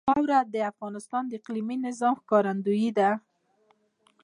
خاوره د افغانستان د اقلیمي نظام ښکارندوی ده.